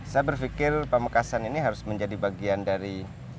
saya berpikir pamekasan ini harus menjadi bagian dari